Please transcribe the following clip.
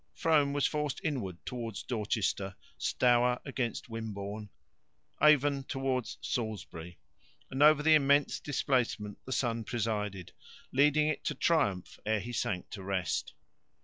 Frome was forced inward towards Dorchester, Stour against Wimborne, Avon towards Salisbury, and over the immense displacement the sun presided, leading it to triumph ere he sank to rest.